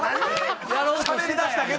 しゃべり出したけど。